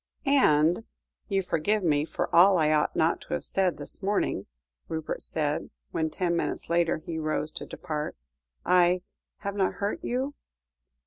"And you forgive me for all I ought not to have said this morning," Rupert said when, ten minutes later, he rose to depart. "I have not hurt you?"